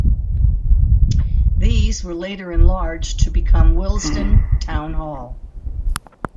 These were later enlarged to become Willesden Town Hall.